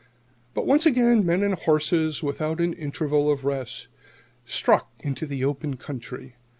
But once again men and horses, without an interval of rest, struck into the open country.